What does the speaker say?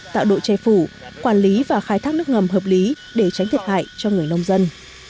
tạo độ che phủ quản lý và khai thác nước ngầm hợp lý để tránh thiệt hại cho người nông dân